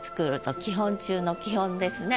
基本中の基本ですね。